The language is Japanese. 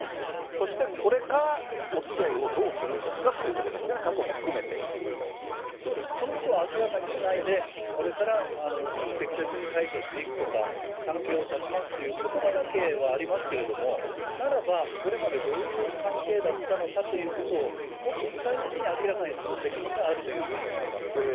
そして、これからおつきあいをどうするんですかっていうとこそうです、そのことを明らかにしないで、これから適切に対処していくとか、関係を断ちますということばだけはありますけれども、ならば、これまでどういう関係だったのかということを、もっと具体的に明らかにする責任があるというふうに思います。